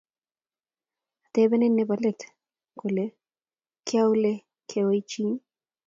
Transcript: atebenin nebo leet kole kioleau kweinichu?